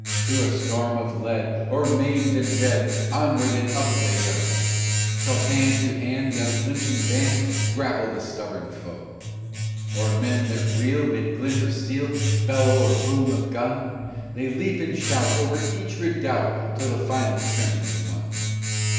Through a storm of lead, o'er maimed and dead, Onward and up they go, Till hand to hand the unflinching band Grapple the stubborn foe. O'er men that reel, 'mid glint of steel, Bellow or boom of gun, They leap and shout over each redoubt Till the final trench is won!